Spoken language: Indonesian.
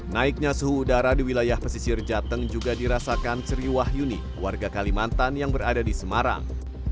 naiknya suhu udara di wilayah pesisir jateng juga dirasakan sri wahyuni warga kalimantan yang berada di semarang